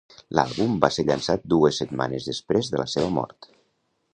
L'àlbum va ser llançat dues setmanes després de la seva mort.